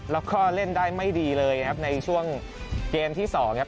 แล้วก็เล่นได้ไม่ดีเลยครับในช่วงเกมที่สองครับ